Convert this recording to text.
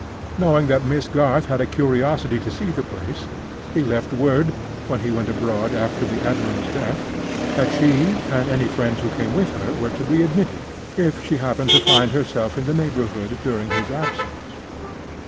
Knowing that Miss Garth had a curiosity to see the place, he left word (when he went abroad after the admiral's death) that she and any friends who came with her were to be admitted, if she happened to find herself in the neighborhood during his absence.